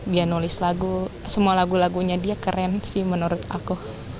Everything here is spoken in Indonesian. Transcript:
dia nulis lagu semua lagu lagunya dia keren sih menurut aku